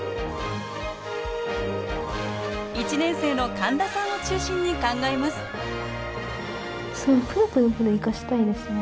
１年生の神田さんを中心に考えます「ぷるぷるぷる」生かしたいですね。